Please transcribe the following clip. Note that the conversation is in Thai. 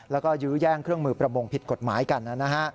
แล้วก็ยื้อแย่งเครื่องมือประมงผิดกฎหมายกันนะฮะ